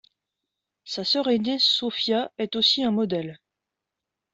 Sa sœur aînée Sophia est aussi un modèle.